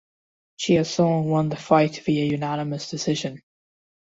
Chiasson won the fight via unanimous decision.